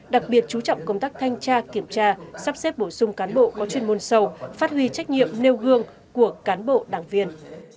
đặc biệt chú trọng công tác thanh tra kiểm tra sắp xếp bổ sung cán bộ có chuyên môn sâu phát huy trách nhiệm nêu gương của cán bộ đảng viên